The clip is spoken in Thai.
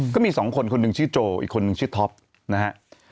ก็มีสองคนคนหนึ่งชื่อโจอีกคนนึงชื่อท็อปนะฮะ